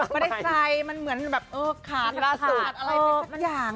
ไม่ได้ใส่มันเหมือนแบบเออขาดประสาทอะไรไปสักอย่าง